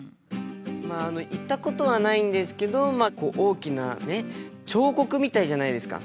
まあ行ったことはないんですけどまあ大きな彫刻みたいじゃないですか。